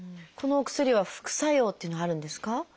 このお薬は副作用っていうのはあるんですか？